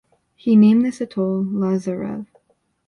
He named this atoll "Lazarev".